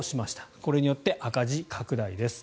これによって赤字拡大です。